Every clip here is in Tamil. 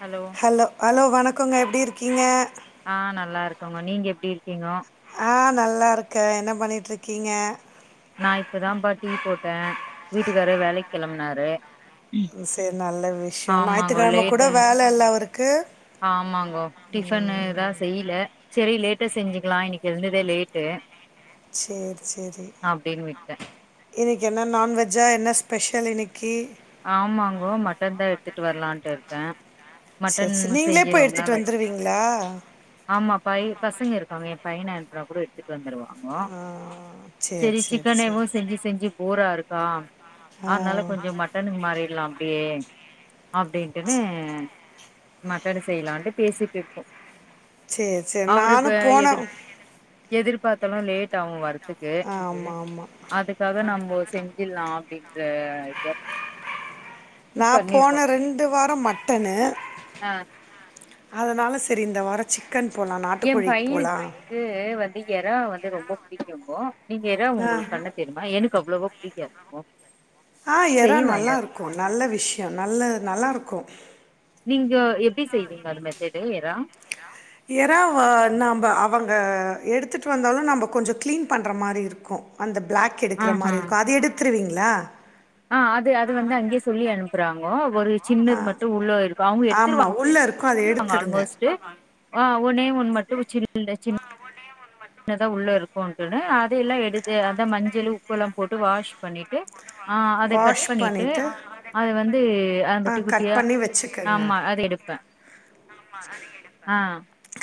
ஹலோ ஹலோ ஹலோ வணக்கங்க எப்டி இருக்கீங்க ஆ நல்லா இருக்கோங்க நீங்க எப்டி இருக்கீங்கோ ஆ நல்லா இருக்கே என்ன பண்ணிட்டு இருக்கீங்க நா இப்பதான்ப்பா டீ போட்டே வீட்டுக்காரு வேலைக்கு கெளம்புனாரு சேரி நல்ல விஷயோ ஆமாங்கோ ஞாயித்துக்கிழம லேட் கூட ஆ வேல இல்ல அவருக்கு ஆமாங்கோ டிஃபன்னு தா செய்ல சேரி லேட்டா செஞ்சுக்கலா இன்னைக்கு எழுந்ததே லேட்டு சேரி சேரி அப்டின்னு விட்டே இன்னைக்கு என்ன நான்வெஜ்ஜா என்ன ஸ்பெஷல் இன்னைக்கி ஆமாங்கோ மட்டன் தா எடுத்துட்டு வரலான்ட்டு இருக்கே சேர் மட்டன் சேர் நீங்களே செஞ்சு போய் ரொம்ப நாள் எடுத்துட்டு ஆச்சு வந்துருவீங்களா ஆமா பைய பசங்க இருக்காங்க என் பையன அனுப்புனா கூட எடுத்துட்டு வந்துருவா ங்கோ ஆ சரி செரி சரி சரி சிக்கன்னேவு செஞ்சு செஞ்சு போரா இருக்கா ஆ அதனால கொஞ்ச மட் டன் மாறிட்லா அப்டியே அப்டின்ட்டுன்னு அ மட்டட செய்யலான்ட்டு பேசிட்டு இருக்கோ செரி செரி அவரு இப்ப நானும் போன எதிர் எதிர்பாத்தாலு லேட் ஆகு வரத் துக்கு ஆமாம் ஆமாம் அதுக்காக நம்மோ செஞ்சில்லா அப்டின்ற ஐடியா நா பண்ணிருக்கோ போன ரெண்டு வாரோ மட்டனு ஆ அதுனால செரி இந்த வாரோ சிக்கன் போலா நாட்டுக்கோழிக்கு போலா இங்க வந்து எறா வந்து ரொம்ப புடிக்கு நீங்க எறாவ ஆ உங்களுக்கு பண்ண தெரியமா எனக்கு அவ்ளவோ புடிக்காது ஆ ஏறா நல்லாருக்கு நல்ல விஷ்யோ நல்ல நல்லாருக்கு நீங்க எப்டி செய்வீங்க அது மெத்தடு ஏறா எறாவா நம்ப அவங்க எடுத்துகிட்டு வந்தாலு நம்ம கொஞ்சோ க்ளீன் பண்ணுற மாரி இருக்கு அந்த ப்ளாக் எடுக்குற ஆஹா மாரி இருக்கு அது எடுத்துருவீங்களா ஆ அது அது வந்து அங்கேயே சொல்லி அனுப்புறாங்கோ ஒரு சின்னது மட்டு உள்ள இருக்கு அவுங்க எடுத்துருவா ஆமா. உள்ள இருக்கும் அத ங்க எடுத்துடுங்க. ஆல்மோஸ்டு ஆ ஒன்னே ஒன்னு மட்டு ச்சு இல்லே சின் அதுதா உள்ள இருக்குடனே அது எல்லா எடுத்து அத மஞ்சளு உப்பெல்லா போட்டு வாஷ் பண்ணிட்டு ஆ அத கட் பண்ணிட்டு அது வந்து ஆ குட்டி கட் குட்டியா பண்ணி வச்சுக்கங்க. ஆமா அது எடு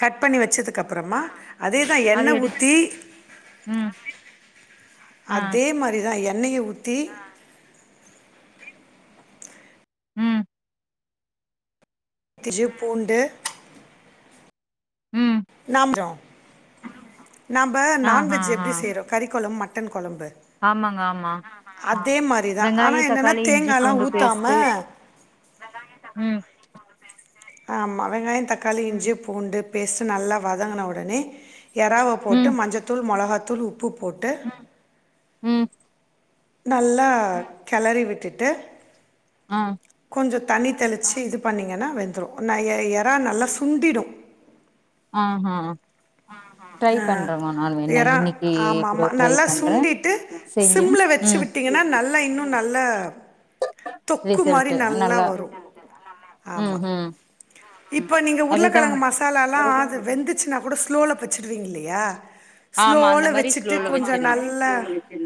கட் பண்ணி வச்சதுக்கு அப்றோமா அதேதா அத எண்ணெ எடுத் ஊத்தி ம் ஆ அதே மாரிதா எண்ணெய ஊத்தி ம் திஜு பூண்டு ம் நாம்ஜோ நாம்ப ஆ ஆ நான்வெஜ் ஆ எப்டி செய்றோ கறி கொழம்பு மட்டன் கொழம்பு ஆமாங்க ஆமா அதே மாரிதா ஆனா வெங்காய என்னன்னா தக்காளி இஞ்சி தேங்கால்லா பூண்டு ஊத்தாம பேஸ்ட்டு ம் ஆமா வெங்காயோ தக்காளி இஞ்சி பூண்டு பேஸ்டு நல்லா வதங்கின உடனே எறாவ போட்டு ம் மஞ்சதூள் மொளகாதூள் உப்பு போட்டு ம் நல்லா கெளறி விட்டுட்டு அம் கொஞ்சோ தண்ணி தெளுச்சு இது பண்ணிங்கனா வெந்துரு ந எ எ எறா நல்லா சுண்டிடு ஆ கா ஆ ஹ அ எறா இன்னைக்கு ஆமா கூட ஆமா ட்ரை நல்லா பண்றே சுண்டிட்டு செஞ்சு சிம்ல வச்சு ம் விட்டி ஏனா நல்லா இன்னு நல்ல தொக்கு மாரி நல்லா வரு ம் ஆமா ம் இப்போ நீங்க அதுதா உருளகெழங்கு மசாலாலா அது வெந்து சிங்னா கூட ஸ்லோல வச்சுடுவீங்க இல்லையா ஆமா அந்த ஸ்லோல மாரி வச்சுட்டு ஸ்லோல கொஞ்சோ வச்சிர்ணு நல்லா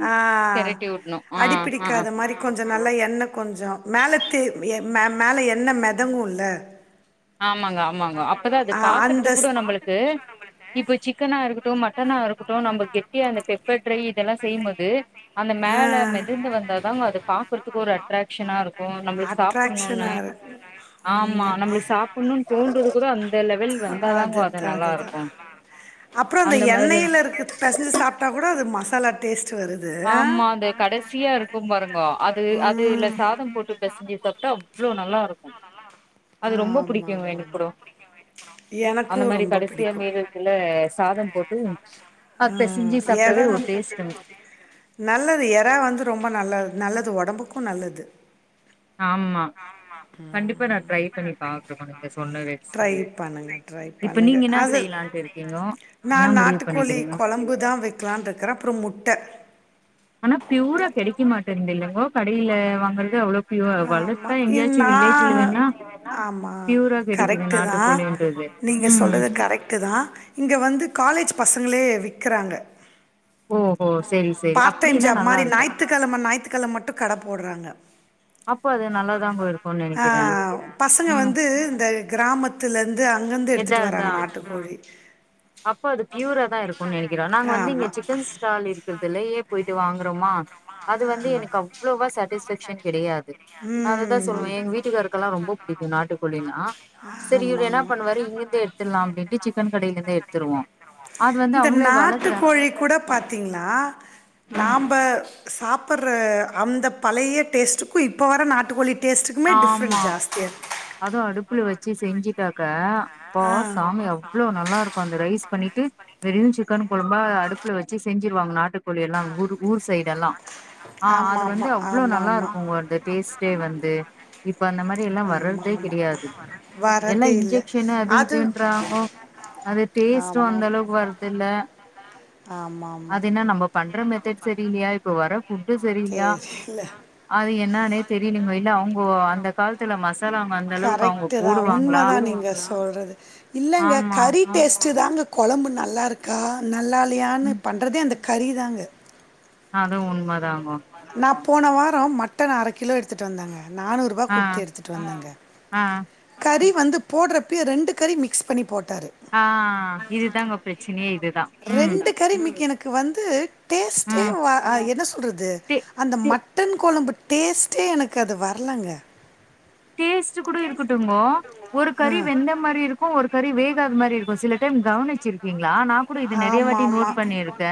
ஆ பெரட்டி வுட்ணு ஆ ஆ அடிபிடிக்காத மாரி கொஞ்சோ நல்லா எண்ணெ கொஞ்சோ மேல தே எ மே மேல எண்ணெ மெதங்குல்ல ஆமாங்க ஆமாங்க அப்பதா அது பாக்குறது அந்த ஸ் கூட நம்மளுக்கு இப்ப சிக்கனா இருக்கட்டு மட்டனா இருக்கட்டு நம்ம கெட்டியா அந்த பெப்பர் ட்ரை இதெல்லா செய்யும்போது அந்த மேல மெதர்ந்து வந்தாதாங்க அத பாக்குறதுக்கு ஒரு அட்ராக்ஷனா இருக்கு நம்மளுக்கு அட்ராக்ஷனா இருக்கும் சாப்புனுனு அட்ராக்ஷனா இருக்கு ஆமா உண்ம நம்மளுக்கு சாப் பொண்ணு தோன்றது கூட அந்த லெவல் வந்தாதாங்க அது அதுதான் நல்லா அதுதான் இருக்கும் அப்புறம் அந்த எண்ணெயில இருக்கு பெசஞ்சு சாப்பிட்டா கூட அது மசாலா டேஸ்ட் வருது ஆமா அந்த கடைசியா இருக்கும் பாருங்க அது அது ல சாதம் போட்டு பசைஞ்சு சாப்பிட்டோ இவ்வளவு நல்லா இருக்கும் அது ரொம்ப ஆமா பிடிக்கும்ங்க ஆமா எனக்கு கூட அந்த எனக்கும் மாதிரி ரொம்ப கடைசியா பிடிக்கும் மீதக்குள்ள சாதம் போட்டு அப்ப ஆ பேசஞ்சு சாப்பிட்டவே எறா ஒரு டேஸ்ட்க்கு நல்லது எரா வந்து ரொம்ப நல்ல நல்லது உடம்புக்கும் நல்லது ஆமா கண்டிப்பா நான் ட்ரை பண்ணி பாக்குறே நீங்க சொன்ன ட்ரை ரெசிபி பண்ணுங்க ட்ரை இப்ப பண்ணுங்க நீங்க என்ன அது செய்யலான்ட்டு இருக்கீங்கோ என்ன நான் முடிவு நாட்டுக்கோழி பண்ணிக்கிறீங்கோ குழம்புதான் வைக்கலாம் இருக்கறேன் அப்றம் முட்டை ஆனா பியூரா கிடைக்க மாட்டேந்தது இல்லலைங்கோ கடையில வாங்குறது அவ்வளோ பியூரு அவ என் நா ஆமா பியூரா கெடைக்குது கரெக்ட் தான் நாட்டுக்கோழின்றது நீங்க ம் சொல்றது கரெக்ட் கரெக்ட் தான் இங்கே வந்து காலேஜ் பசங்களே விக்கிறாங்க ஓஹோ செரி செரி பார்ட் டைம் அப்டின்னா ஜாப் நல்லா மாதிரி இருக்கு ஞாயித்து க்கிழமை ஞாயித்துக்கிழமை மட்டும் கடை போடுறாங்க அப்போ அது நல்லாதான் இருக்கும் அஹ் பசங்க வந்து இந்த கிராமத்துலேருந்து அங்கேருந்து எடுத்துகிட்டு வராங்க நாட்டுக்கோழி அப்போ அது பியூரா தான் இருக் ஒ நினைக்கிறோம் நாங்க வந்து கும் நினைக்கிற இங்க ஆமா சிக்கன் ஸ்டால் இருக்கிறதுலயே போயிட்டு வாங்கறோமா அது வந்து எனக்கு அவ்ளவா சாட்டிஸ்பேக்ஷன் கிடையாது நான் அததான் ம் சொல்லுவேன் எங்க வீட்டுக்காருக்கெல்லாம் ரொம்ப பிடிக்கும் நாட்டுக்கோழினா ஆ ஆமா ஆமா இங்க இருந்து எடுத்துடலாம் அப்படின்ட்டு சிக்கன் கடைலேந்து எடுத்துடுவோம் இந்த நாட்டுக்கோழி கூட பார்த்திங்கன்னா ம் நாம்ப சாப்படுற அந்த பழைய டேஸ்ட்டுக்கும் இப்ப வர நாட்டுக்கோழி டேஸ்டுக்குமே டிஃப்ரண்ட் ஜாஸ்தியா இருக்கு அதுவும் அடுப்புல வச்சு செஞ்சுட்டாக்க அப்பா சாமி அவ்வளவு நல்லா இருக்கும் அந்த ரைஸ் பண்ணிட்டு வெறியும் சிக்கன் குழம்பா அடுப்புல வச்சு செஞ்சிருவாங்க நாட்டுக்கோழி எல்லாம் ஊர் ஊர் சைடு எல்லாம் ஆ ஆஹ் ஆமா அது வந்து அவ்வளவு ஆமா ஆமா நல்லா இருக்கும் உங்க அந்த டேஸ்ட்டே வந்து இப்ப அந்த மாதிரி எல்லாம் வரது ஆமா தே ஆமா ஆமா கிடையாது வரதே எல்லாம் இல்ல இன்ஜெக்ஷனு அது இதுன்ராங்கோ அது டேஸ்ட் ஆமா அந்த அளவுக்கு வருரதுல்ல ஆமா ஆமா என நம்ம பண்ற மெதட் சரி இல்லையா இப்போ வர ஃபுட்டு சரியிலையா தெரியல அது என்னானே தெரியலங்க இல்ல அவங்க அந்த காலத்துல மச கரெக்ட் தான் உண்மைதான் நீங்க சொல்றது இல்லங்க ஆமா கறி டேஸ்ட்டு தாங்க குழம்பு நல்லா இருக்கா நல்லாலயான்னு ம் பண்றதே அந்த கறி தாங்க அதுவும் உண்மை தாங்கோ நான் போன வாரம் மட்டன் அரை கிலோ எடுத்துட்டு வந்தேங்க நானூறு ரூபா ஆ குடுத்து எடுத்துட்டு வந்தாங்க ஆ கறி வந்து போடுறப்பயே ரெண்டு கறி மிக்ஸ் பண்ணி போட்டாரு ஆ இதுதாங்க பிரச்சனையே இதுதான் உம் கரிமிக்கு எனக்கு வந்து டேஸ்ட்டே ம் வா என்ன சொல்கிறது டே மட்டன் கொழம்பு டேஸ்ட்டே எனக்கு அது வரலங்க டேஸ்ட் கூட இருக்கட்டுங்கோ ஒரு கறி வெந்த மாரி இருக்கு ஒரு கறி வேகாத மாரி இருக்கு சில டைம் கவனிச்சு இருப்பீங்ளா நா கூட இது நெறய ஆமா வாட்டி ஆமா நோட் பண்ணிருக்க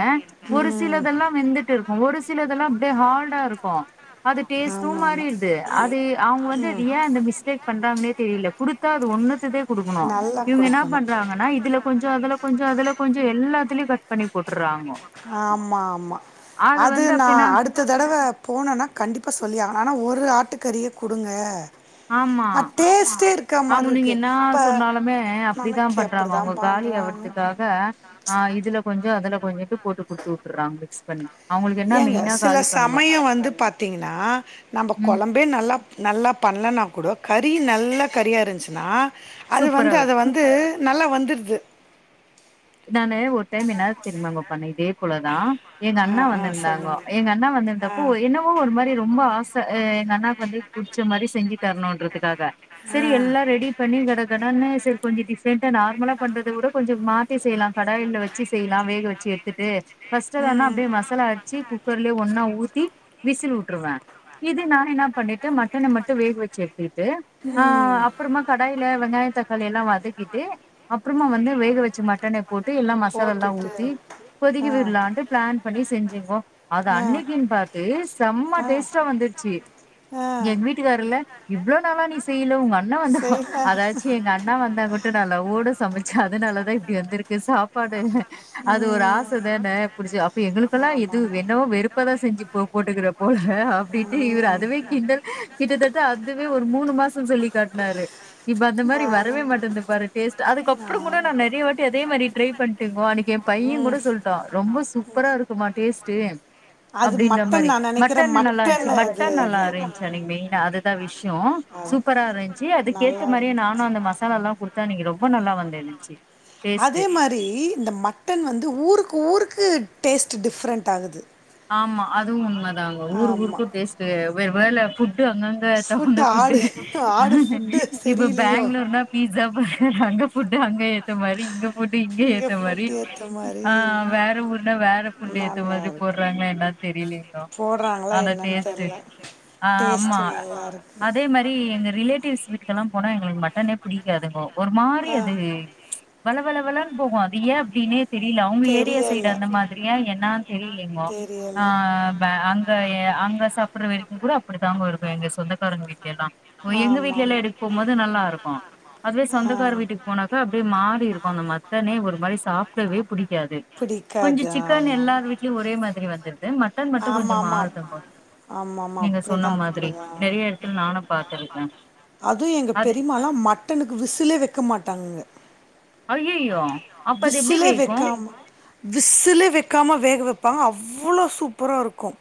ஒரு ம் சிலதெல்லா வெந்து ட்டு இருக்கு ஒரு சிலதெல்லா அப்டியே ஹார்டாருக்கு அது டேஸ்ட்டு ஆமா ஆமா மாறிருது அது அவங்க வந்து அது ஏ அந்த மிஸ்டேக் பண்றாங்களே தெரில குடுத்தா அது ஒன்னுத்ததே குடுக்கணு நல்லா இவங்க என்ன கொடுக்கணும் பண்றாங்கன்னா இதுல கொஞ்சோ அதுல கொஞ்சோ அதுல கொஞ்சோ எல்லாத்துலயு கட் பண்ணி போட்டுறாங்கோ ஆமா ஆமா அது வந்து நா அப்டின்னா அடுத் ததடவ போணன்னா கண்டிப்பா சொல்லி ஆ ஆனா ஒரு ஆட்டுக்கறியே குடுங்க ஆமா அ டேஸ்ட்டே இருக்க அவங்க மாதிரி நீங்க இருக்குது என்னா இப்போ சொன்னாலுமே அப்டிதா நாளைக்கு அப்படி பண்றாங்க தான் அவங்க காலி பண்ணுறாங்க ஆவ்ரதுக்காக ஆ இதுல கொஞ்சோ அதுல கொஞ்சோ போட்டு குடுத்து உட்டுறாங்க மிக்ஸ் பண்ணி அவங்களுக்கு என்ன ஏங்க மெயினா சில காலி பண்ணு சமய வந்து பாத்தீங்ன்னா நம்ம ம் கொழம்பு ப்டியே நல்லா நல்லா பண்லனா கூட கறி நல்ல கறியா இருந்ச்சுனா அது சூப்பரா வந்து வருது அத வந்து நல்லா வந்துர்து நானு ஒரு டைம் என்னாது தெரியுமாங்க பண்ண இதே போலதா எங்க ஆ அண்ணா ஆ வந்திருந்தாங்கோ சொல்லுங்கள் எங்க அண்ணா ஆ வந்திருந்தப்போ என்னா ப்போ ஒரு மாரி ரொம்ப ஆச எங்க அண்ணாக்கு வந்து புடிச்ச மாரி செஞ்சு தரணுன்றதுக்காக செரி எல்லா ஆ ரெடி பண்ணி கடகடன்னு செரி கொஞ்சோ டிஃப்ரெண்டா நார்மலா பண்றத விட கொஞ்சோ மா தி செய்லா கடாயில வச்சு செய்லா வேக வச்சு எடுத்துட்டு ஃபர்ஸ்ட் வேணா ம் அப்டியே மசாலா அரச்சு குக்கர்லே ஒன்னா ஊத்தி விசில் உட்ருவ இது நானு என்னா பண்ணிட்ட மட்டன மட்டு வேக வச்சு எடுத்துட்டு ஆ ம் அப்றமா கடாயில வெங்காய தக்காளியல்லா வதக்கிட்டு அப்றமா வந்து வேக வச்சு மட் ட்டன போட்டு எல்லா மசாலால்லா போட்டுட்டு ஊத்தி கொதிக்க ஆ விடலான்ட்டு பிளான் பண்ணி செஞ்செங்கோ அது ஆ அன்னக்குனு பாத்து செம்ம டேஸ்டா வந்துருச் சு ஆ எங் வீட்டுக்காருல இவ்ளோ நாளா நீ செய்யல உங்க அண்ணா வந்து செய் ஆ அதாச்சு எங்க அண்ணா வந்தா மட்டு நல்லா லவ்வோட சமைச்ச அதனாலதா இப்டி வந்திருக்கு சாப்பாடல அது ஒரு ம் ஆச தான புடிச்சு அப்ப எங்களுக்கல்லா எது ஆமாம் என்னவோ வெறுப்பாதா செஞ்சு போ போட்டுக்கிற போல அப்டின்ட்டு இவரு அதுவே கிண்டல் கிட்டத்தட்ட அதுவே ஒரு மூணு மாச சொல்லி காட்னாரு இப்ப அந்த ஆ மாரி வரவே மாட்டேந்து பாரு டேஸ்ட் அதுக்கு அப்றோ கூட நா நெறய வாட்டி அதே மாரி ட்ரை பண்டேங்கோ அன்னக்கு என் பைய கூட சொல்ட்டா ரொம்ப சூப்பரா இருக்குமா டேஸ்ட்டு அது அப்டின்ற மட்டன் மாரி நா நெனைக்கிறே மட்டன் நல்லா இருன்ச்சு அது மட்டன் நல்லா இது இருன்ச்சு அன்னக்கு மெயினா அதுதா விஷ்யோ சூப்பரா இருன்ச்சு நல்லா அதுக்கேத்த மாரியே இருந்து நானு அந்த மசாலால்லா குடுத்த அன்னக்கு ரொம்ப நல்லா வந்திருந்துச்சு அதே மாரி இந்த மட்டன் வந்து ஊருக்கு ஊருக்கு டேஸ்ட் டிஃப்ரெண்ட் ஆகுது ஆமா அதுவு உண்ம தாங்க ஊரு ஆமா ஊருக்கு டேஸ்டு வே வேற ஃபுட்டு அங்கங்க ஃபுட் தகுந்த ஃபுட்டு ஆடு ஆடு ஃபுட்டு இப்ப சரியில்லையோ பேங்ளூர்னா பீஸா பர்கர் அங்க ஃபுட்டு் அங்க ஏத்த மாரி இங்க ஃபுட்டு் இங்க ஏத்த மாரி ஃபுட் ஏத்த மாரி ஆ வேற ஊர்னா வேற ஃபுட்டு் ஏத்த நல்லா மாரி இருக்கு உட்றாங்ளா என்னன் தெரிலங்கோ போடுறாங்களா ஆனா என்னன்னு டேஸ்ட்டு தெர்ல ஆமா டேஸ்ட்டு நல்லா இருக்கு அதே மாரி எங்க ரிலேட்டிவ்ஸ் வீட்டுக்கெல்லா போனா எங்களுக்கு மட்டனே புடிக்காதுங்கோ ஒரு மாரி ஆ அது வள வள வளன் போகு அது ஏ அப்டின்னே தெரியல அவங்க ஏரியா தெரியல சைடு அந்த மாதிரியா என்னான் தெரி தெரியல ஆ அங்க அ அங்க சாப்டுற வரைக்கு கூட அப்டித்தாங்கோ இருக்கு எங்க சொந்தக்காரங்க வீட்லைல்லா ஓ எங்க ஆமா வீட்லைல்லா ஆமா எடுக் போது நல்லா இருக்கு அதுவே ஆ சொந்தக்கார வீட்டுக்கு போனாக்க அப்டியே மாறி இருக்கும் அந்த மட்டனே ஒரு மாரி ஷ் சாப்பிடவே புடிக்காது பிடிக்காது கொஞ்சம் சிக்கன் ஆமாம் எல்லார் வீட்லயு ஒரே மாதிரி வந்துருது மட் டன் ஆமாம் மட்டும் கொஞ்ச ஆமாம் மாறுதுங்கோ ஆமாம் ஆமாம் நீங்க சொன்ன அப்படிதான் மாதிரி அப்படிதான் நெறைய எடத்துல நானு பாத்துருக்கே அதுவு எங்க அது பெரிமாலா மட்டனுக்கு விசுலே வக்க மாட்டாங்க ஐயையோ அப்ப அது எப்டி விசில வேகும் வக்காம விசுலே வக்காம வேக வப்பாங்க அவ்ளோ சூப்பராக இருக்கும்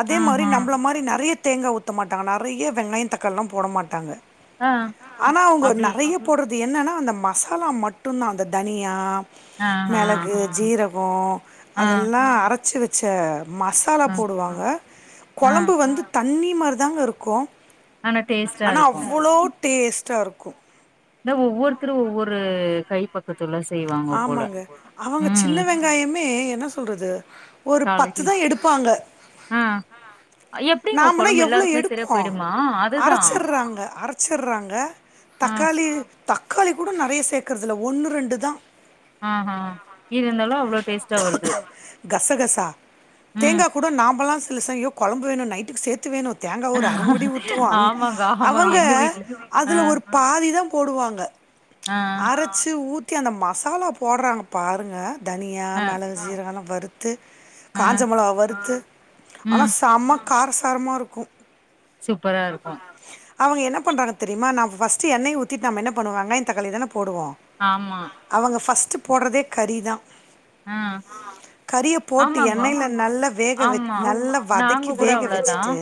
அதே மாரி ஆஹா நம்மள மாரி நெறைய தேங்கா ஊத்த மாட்டாங்க நெறைய வெங்காய தக்காளிலா போட மாட்டாங்க ஆ ஆனா அவங்க அப்டி நெறைய போடுறது என்னனா அந்த மசாலா மட்டுதா அந்த தனியா ஆஹா மெளகு ஜீரக ஆ அதெல்லா அரச்சு வச்ச மச மசாலா ஆ போடுவாங்க ஆ கொழம்பு வந்து தண்ணி மாரி தாங்க இருக்கு ஆனா டேஸ்ட்டா ஆனா இருக்கும் அவ்வளோ டேஸ்டா இருக்கும் என்ன ஒவ்வொருத்தரு ஒவ்வொரு கை பக்கத்துல செய்வாங் ஆமாங்க அவங்க சின்ன வெங்காயமே என்ன சொல்றது ஒரு பத்து காலைக்கு தா எடு ப்பாங்க ஆ எப்டிங்க நாமனா கொழம்பு எவ்ளோ எல்லாருக்குமே சரியா எடுப்போ போயிடுமா அதுதான் அரச்சிற்றாங்க அரச்சிற்றாங்க ஆ தக்காளி தக்காளி கூட நிறைய சேர்க்கறது இல்ல ஒன்னு ரெண்டு தான் ஆஹா இருந்தாலும் அவ்ளோ டேஸ்ட்டா வருது கச கசா ம் தேங்கா கூட நம்பலாம் சில ச ஐயோ குழம்பு வேணும் நைட்டுக்கு சேர்த்து வேணும் தேங்காய் ஒரு அரைமுடி ஊற்றுவோ அ ஆமாங்க ஆமாங்க அவங்க எங்க வீட்ல ஆ அதுல ஒரு பாதி தான் போடுவாங்க ஆ அரைச்சி ஊற்றி அந்த மசாலா போடுறாங்க பாருங்க தனியா ஆ மிளகு சீரக எல்லாம் வருறுத்து த்து ஆ காஞ்சமளகா வறுத்து ஆனா ம் சம்ம காரசாரமா இருக்கும் சூப்பரா இருக்கும் அவங்க என்ன பண்றாங்க தெரியுமா ந பஸ்ட் எண்ணெய் ஊத்திட்டு நம்மன பண்ணுவாங்க இந்த தக்காளி தானே போவோம் ஆமா அவங்க பஸ்ட்ட் போடுறதே கறி தான் ஆ கரிய போட்டு ஆமாங்கோ எண்ணெய்ல இரு நல்லா வேக வத ஆமா நல்லா வதக்கி வேக வச்சுட்டு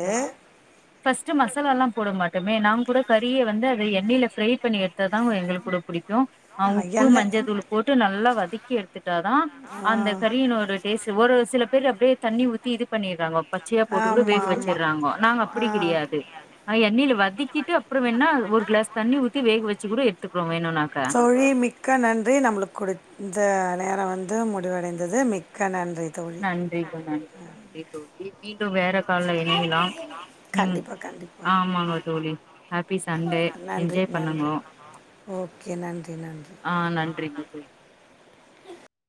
ஃபர்ஸ்ட்ட் மசாலால்லாம் போட மாட்டுமே நங்க கூட கறியை வந்து அதை எண்ணெயில ஃப்ரை பண்ணி எடுத்த தான் எங்களுக்கு கூட பிடிக்கும் ஆ உப்பு மஞ்சள் தூள் போட்டு நல்லா வதக்கி எடுத்துட்டாதான் ஆ அந்த கறினோட ட ஒரு சில பேர்ல அப்படியே தண்ணி ஊத்தி இது பண்ணிறாங்க பச்சையா போட்டு கூட ஆமா வேக ஆமா வச்சிடுறாங்க நாங்க ஆ அப்படி கிடையாது எண்ணயில வதக்கிட்டு அப்புறம் வேணா ஒரு கிளாஸ் தண்ணி ஊத்தி வேக வச்சு கூட எடுத்துக்கிறோம் வேணும் மொழி மிக்க நன்றி நம்மளுக்கு கொடுத்து இந்த நேரம் வந்து முடிவடைந்தது மிக்க நன்றி தோழி நன்றி நன்றி நன்றி தோழி மீண்டும் வேற கால இணைையலாம் நீ கண்டிப்பா கண்டிப்பா ஆ ஆமாங்க தோழி ஹாப்பி சண்டே நன்றி என்ஜாய் நன்றி பண்ணுங்க ஓகே நன்றி நன்றி நன்றிங்க தோழி